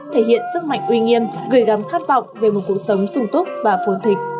thể hiện sức mạnh uy nghiêm gửi gắm khát vọng về một cuộc sống sung túc và phôn thịch